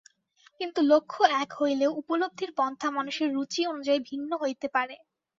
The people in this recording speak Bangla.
কিন্তু লক্ষ্য এক হইলেও উপলব্ধির পন্থা মানুষের রুচি অনুযায়ী ভিন্ন হইতে পারে।